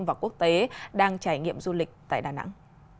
và quốc tế đang trải nghiệm du lịch tại đà nẵng